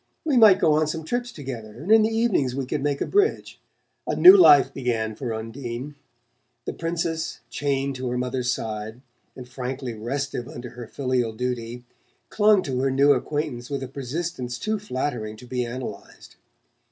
We might go on some trips together; and in the evenings we could make a bridge." A new life began for Undine. The Princess, chained her mother's side, and frankly restive under her filial duty, clung to her new acquaintance with a persistence too flattering to be analyzed.